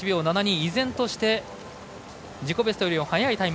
依然として自己ベストより速いタイム。